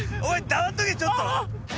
おい黙っとけちょっと。